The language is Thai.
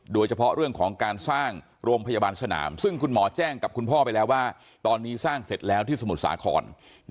โดยเฉพาะเรื่องของการสร้างโรงพยาบาลสนามซึ่งคุณหมอแจ้งกับคุณพ่อไปแล้วว่าตอนนี้สร้างเสร็จแล้วที่สมุทรสาคร